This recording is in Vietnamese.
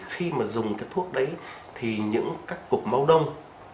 khi mà dùng cái thuốc đấy thì những các cục máu đông